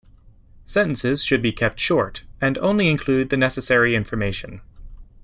Sentences should be kept short, and only include the necessary information.